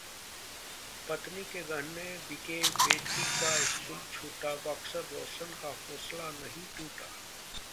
पत्नी के गहने बिके-बेटी का स्कूल छूटा, बॉक्सर रोशन का हौसला नहीं टूटा